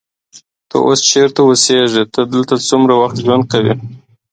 ته اوس چیرته اوسېږې؟ ته دلته څومره وخت ژوند کوې؟